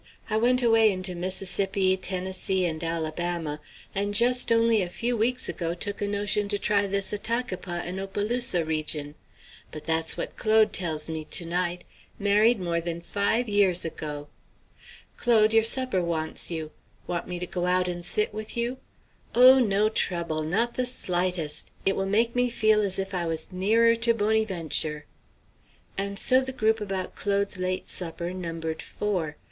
I went away into Mississippi, Tennessee, and Alabama, and just only a few weeks ago took a notion to try this Attakapas and Opelousas region. But that's what Claude tells me to night married more than five years ago. Claude, your supper wants you. Want me to go out and sit with you? Oh, no trouble! not the slightest! It will make me feel as if I was nearer to Bonnyventure." And so the group about Claude's late supper numbered four.